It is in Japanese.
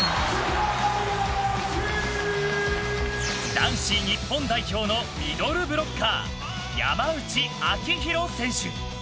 男子日本代表のミドルブロッカー、山内晶大選手。